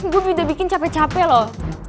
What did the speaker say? gue udah bikin capek capek loh